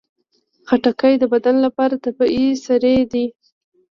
خټکی د بدن لپاره طبیعي سري دي.